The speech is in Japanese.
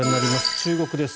中国です。